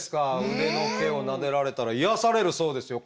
腕の毛をなでられたら癒やされるそうですよ。